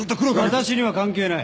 私には関係ない。